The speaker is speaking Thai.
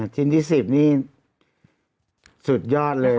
จิ้นที่๑๐นี่สุดยอดเลยนะครับ